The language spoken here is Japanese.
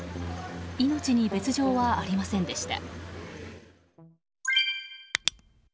命に別条はありませんでした。